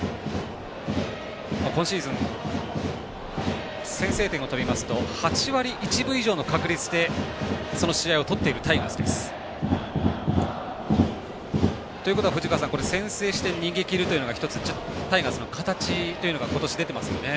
今シーズン、先制点を取りますと８割１分以上の確率でその試合をとっているタイガース。ということは、藤川さん先制して逃げきるというのがタイガースの形というのが出ていますよね。